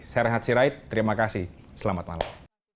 saya rehat sirait terima kasih selamat malam